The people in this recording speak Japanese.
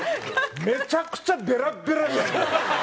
めちゃくちゃベラッベラじゃんもう。